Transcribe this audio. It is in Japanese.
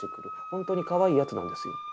ホントにかわいいやつなんですよ。